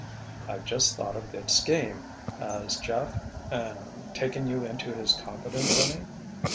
"I've just thought of a good scheme. Has Jeff—er—taken you into his confidence any?"